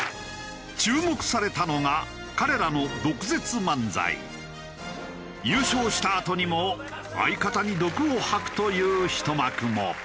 注目されたのが彼らの優勝したあとにも相方に毒を吐くという一幕も。